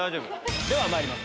ではまいります